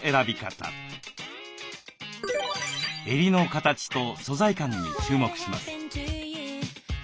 襟の形と素材感に注目します。